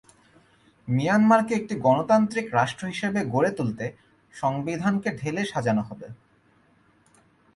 মিয়ানমারকে একটি গণতান্ত্রিক রাষ্ট্র হিসেবে গড়ে তুলতে সংবিধানকে ঢেলে সাজানো হবে।